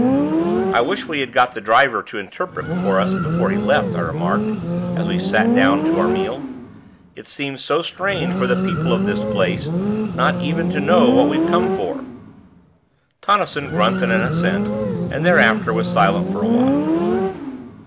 "I wish we had got the driver to interpret for us before he left," I remarked, as we sat down to our meal. "It seems so strange for the people of this place not even to know what we've come for." Tonnison grunted an assent, and thereafter was silent for a while.